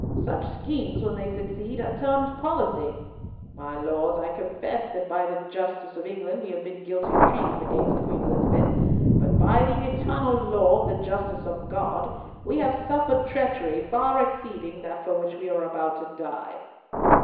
Such schemes, when they succeed, are termed policy. My Lords, I confess that by the justice of England we have been guilty of treason against Queen Elizabeth; but by the eternal law of the justice of God, we have suffered treachery far exceeding that for which we are about to die."